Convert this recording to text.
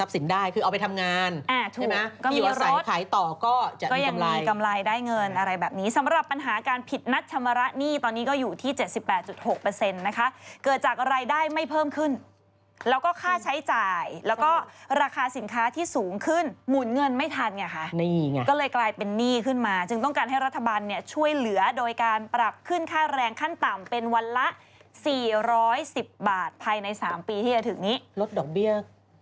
สำหรับปัญหาการผิดนัดชำระหนี้ตอนนี้ก็อยู่ที่๗๘๖นะคะเกิดจากรายได้ไม่เพิ่มขึ้นแล้วก็ค่าใช้จ่ายแล้วก็ราคาสินค้าที่สูงขึ้นหมุนเงินไม่ทันไงค่ะก็เลยกลายเป็นหนี้ขึ้นมาจึงต้องการให้รัฐบาลเนี่ยช่วยเหลือโดยการปรับขึ้นค่าแรงขั้นต่ำเป็นวันละ๔๑๐บาทภายใน๓ปีที่จะถึงนี้ลดดอกเบี้ย